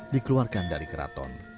dikeluarkan dari keraton